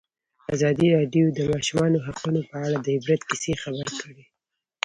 ازادي راډیو د د ماشومانو حقونه په اړه د عبرت کیسې خبر کړي.